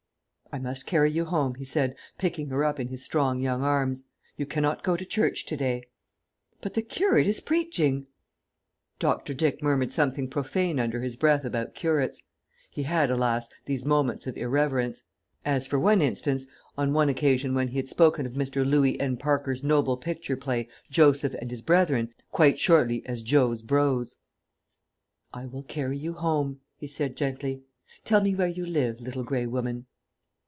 "I must carry you home," he said, picking her up in his strong young arms; "you cannot go to church to day." "But the curate is preaching!" Dr. Dick murmured something profane under his breath about curates. He had, alas! these moments of irreverence; as, for instance, on one occasion when he had spoken of Mr. Louis N. Parker's noble picture play, "Joseph and his Brethren," quite shortly as "Jos. Bros." "I will carry you home," he said gently. "Tell me where you live, Little Grey Woman."